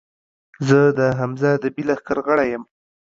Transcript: زۀ د حمزه ادبي لښکر غړے یم